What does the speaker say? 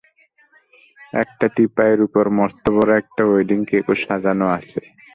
একটা টিপায়ের উপর মস্তবড়ো একটা ওয়েডিং কেকও সাজানো আছে।